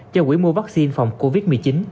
cho quỹ mua vaccine phòng covid một mươi chín